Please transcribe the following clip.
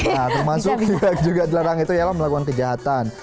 nah termasuk juga dilarang itu ialah melakukan kejahatan